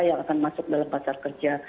yang akan masuk dalam pasar kerja